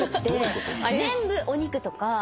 全部お肉とか。